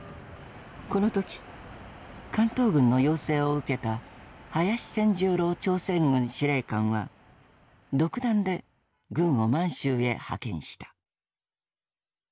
この時関東軍の要請を受けた林銑十郎朝鮮軍司令官は独断で軍を満州へ派遣した。